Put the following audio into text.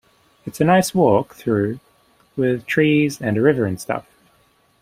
It's a nice walk though, with trees and a river and stuff.